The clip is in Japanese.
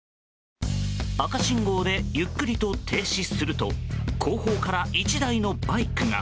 赤信号でゆっくりと停止すると後方から１台のバイクが。